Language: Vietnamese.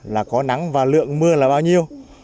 là có nắng và lượng mưa là bao nhiêu